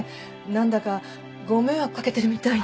何だかご迷惑掛けてるみたいで。